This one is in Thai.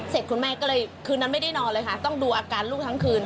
คุณแม่ก็เลยคืนนั้นไม่ได้นอนเลยค่ะต้องดูอาการลูกทั้งคืน